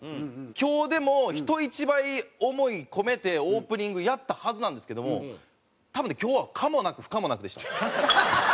今日でも人一倍思い込めてオープニングやったはずなんですけども多分ね今日は可もなく不可もなくでした。